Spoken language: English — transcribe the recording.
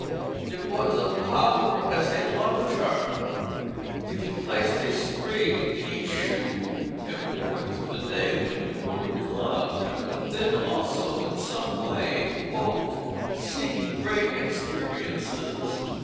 It was of power as a love charm. If you placed a sprig in each shoe and wore it through the day when you were in love, you would then also in some way "see great experiences."